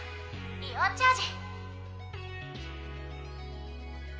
イオンチャージ！」